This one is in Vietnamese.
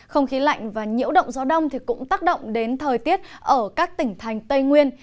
không khí lạnh và nhiễu động gió đông cũng tác động đến thời tiết ở các tỉnh thành tây nguyên